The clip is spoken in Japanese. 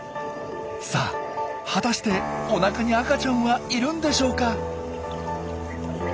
さあ果たしておなかに赤ちゃんはいるんでしょうか。